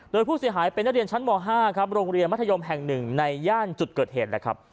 โดยผู้เสียหายเป็นนักเรียนชั้นม๕ครับโรงเรียนมัธยมแห่ง๑ในย่านจุดเกิดเหตุนะครับ